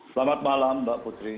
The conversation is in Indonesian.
selamat malam mbak putri